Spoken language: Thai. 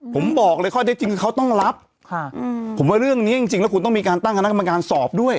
ผมบอกเลยข้อได้จริงเขาต้องรับค่ะอืมผมว่าเรื่องนี้จริงจริงแล้วคุณต้องมีการตั้งคณะกรรมการสอบด้วย